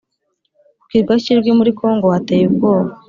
ku Kirwa cy Idjwi muri Congo hateye ubwoba